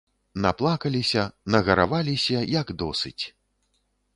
Наплакаліся, нагараваліся, як досыць.